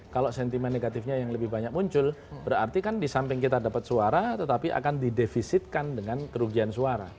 kalau sentimen negatifnya yang lebih banyak muncul berarti kan di samping kita dapat suara tetapi akan didefisitkan dengan kerugian suara